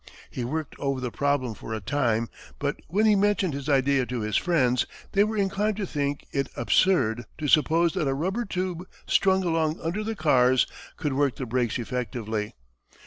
He worked over the problem for a time, but when he mentioned his idea to his friends, they were inclined to think it absurd to suppose that a rubber tube strung along under the cars could work the brakes effectively.